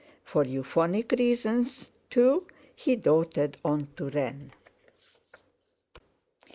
For euphonic reasons, too, he doted on Turenne.